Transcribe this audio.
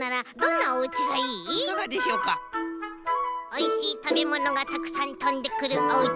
「おいしいたべものがたくさんとんでくるおうち」。